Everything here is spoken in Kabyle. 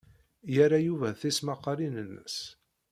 Yerra Yuba tismaqqalin-nnes.